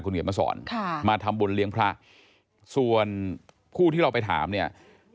เขียนมาสอนค่ะมาทำบุญเลี้ยงพระส่วนผู้ที่เราไปถามเนี่ย